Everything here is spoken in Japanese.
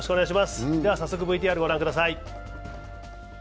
早速、ＶＴＲをご覧ください。